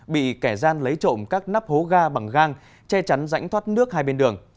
bị kẻ gian lấy trộm các nắp hố ga bằng gang che chắn rãnh thoát nước hai bên đường